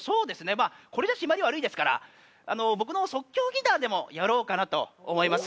まぁこれじゃ締まり悪いですから僕の即興ギターでもやろうかなと思います。